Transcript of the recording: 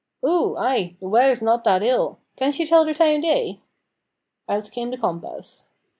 "Oo, ay, the w'ather's no that ill. Can she tell the time o' day?" Out came the compass.